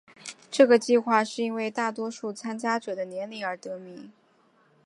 这个计画是因为大多数参加者的年龄而得名。